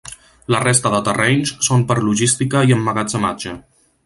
La resta de terrenys són per logística i emmagatzematge.